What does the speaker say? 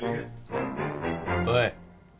・おい。